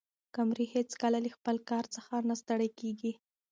قمري هیڅکله له خپل کار څخه نه ستړې کېږي.